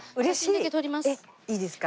いいですか？